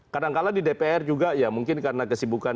kadang kadang di dpr juga ya mungkin karena kesimpulan